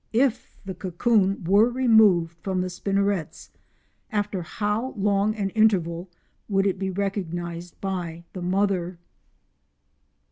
If the cocoon were removed from the spinnerets, after how long an interval would it be recognised by the mother?